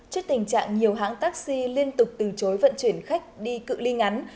trước tình trạng nhiều hãng taxi liên tục từ chối vận chuyển khách đi cự li ngắn